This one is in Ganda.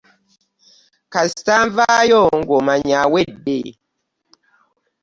Kasita nvaayo ng'omanya awedde.